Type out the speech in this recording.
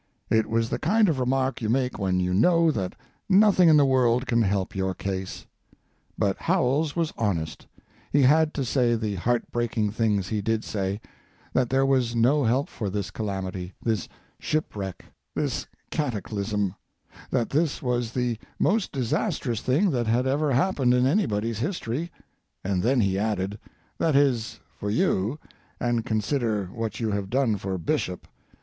It was the kind of remark you make when you know that nothing in the world can help your case. But Howells was honest—he had to say the heart breaking things he did say: that there was no help for this calamity, this shipwreck, this cataclysm; that this was the most disastrous thing that had ever happened in anybody's history—and then he added, "That is, for you—and consider what you have done for Bishop.